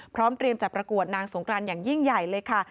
พร้อมเตรียมจัดประกวดนางสงกรานอย่างยิ่งใหญ่เลยค่ะ